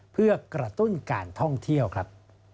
เพื่อกระตุ้นการท่องเที่ยวครับ